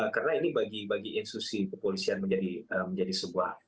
karena ini bagi institusi kepolisian menjadi sebuah